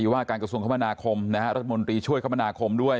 ว่าการกระทรวงคมนาคมรัฐมนตรีช่วยคมนาคมด้วย